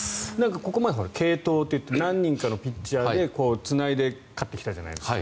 ここまで継投っていって何人かのピッチャーでつないで勝ってきたじゃないですか。